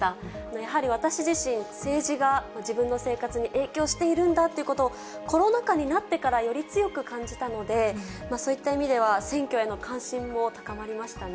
やはり私自身、政治が自分の生活に影響しているんだということを、コロナ禍になってからより強く感じたので、そういった意味では、選挙への関心も高まりましたね。